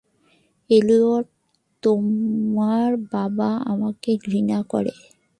Elliot, তোমার বাবা আমাকে ঘৃনা করে।